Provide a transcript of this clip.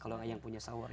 kalau yang punya shower ya